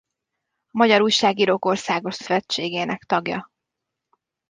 A Magyar Újságírók Országos Szövetségének tagja.